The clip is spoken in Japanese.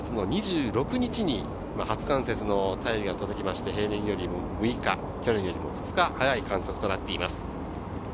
９月２６日に初冠雪の便りが届いて、平年よりも６日、去年よりも２日早い観測となっています。